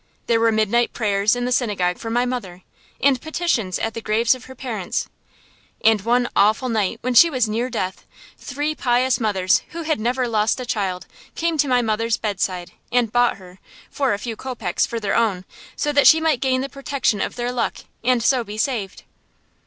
There were midnight prayers in the synagogue for my mother, and petitions at the graves of her parents; and one awful night when she was near death, three pious mothers who had never lost a child came to my mother's bedside and bought her, for a few kopecks, for their own, so that she might gain the protection of their luck, and so be saved.